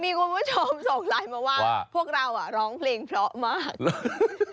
มีคุณผู้ชมส่งไลน์มาว่าพวกเราร้องเพลงเพราะมากเลย